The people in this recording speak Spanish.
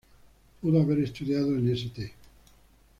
Pudo haber estudiado en St.